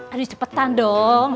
aduh cepetan dong